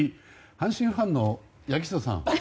阪神ファンの柳下さん！